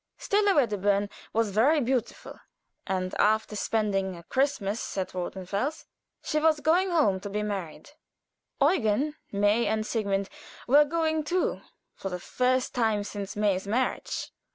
Stella Wedderburn was very beautiful; and after spending Christmas at Rothenfels, she was going home to be married. Eugen, May, and Sigmund were going too, for the first time since May's marriage.